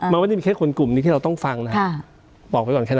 มันไม่ได้มีแค่คนกลุ่มนี้ที่เราต้องฟังนะบอกไว้ก่อนแค่นั้น